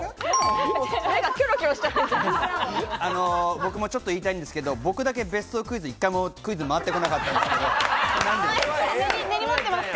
僕もちょっと言いたいんですけど、僕だけ、別荘クイズ、１回も回ってこなかったんですけど。